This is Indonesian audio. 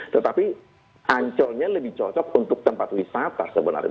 tetapi ancolnya lebih cocok untuk tempat wisata sebenarnya